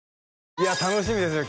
いや楽しみですね